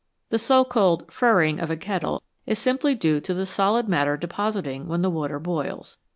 The so called "furring 11 of a kettle is simply due to the solid matter depositing when the water boils.